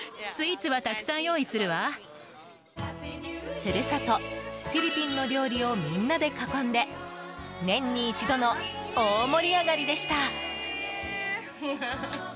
故郷フィリピンの料理をみんなで囲んで年に一度の大盛り上がりでした。